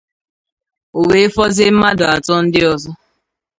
o wee fọzie mmadụ atọ ndị ọzọ